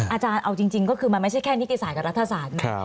อาจารย์เอาจริงก็คือมันไม่ใช่แค่นิติศาสตร์กับรัฐศาสตร์